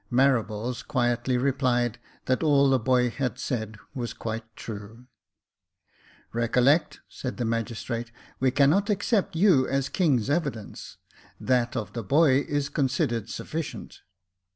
Marables quietly replied, that all the boy had said was quite true. " Recollect," said the magistrate, " we cannot accept you as king's evidence ; that of the boy is considered sufficient."